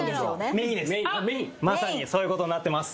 まさにそういうことになってます